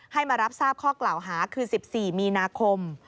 ให้มารับทราบข้อกล่าวหาคือ๑๔มีนาคม